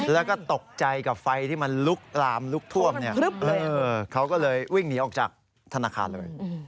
แล้วก็ตกใจกับไฟที่มันลุกลามลุกท่วมเขาก็เลยวิ่งหนีออกจากธนาคารเลย